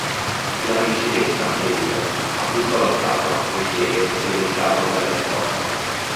Una principessa, Femmina, acquista la statua e Fede segue il carro che la trasporta.